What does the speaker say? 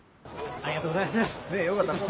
ありがとうございます。